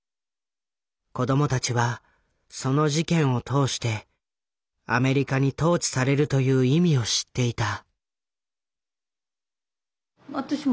子どもたちはその事件を通してアメリカに統治されるという意味を知っていた。